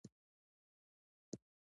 ټول یو بیرغ لري